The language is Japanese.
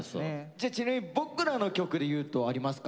ちなみに僕らの曲でいうとありますか？